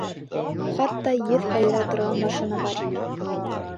Хатта еҫ айыра торған машина бар ине.